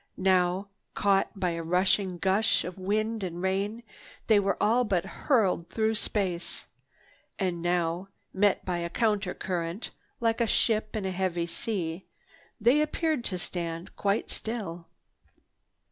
Now, caught by a rushing gush of wind and rain, they were all but hurled through space; and now, met by a counter current, like a ship in a heavy sea they appeared to stand quite still.